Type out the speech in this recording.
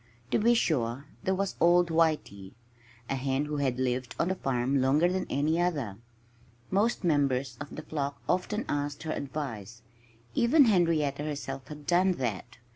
To be sure, there was old Whitey a hen who had lived on the farm longer than any other. Most members of the flock often asked her advice. Even Henrietta herself had done that.